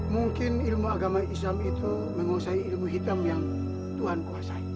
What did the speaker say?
mungkin ilmu agama islam itu menguasai ilmu hitam yang tuhan kuasai